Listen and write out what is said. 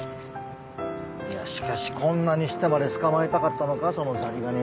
いやしかしこんなにしてまで捕まえたかったのかそのザリガニ。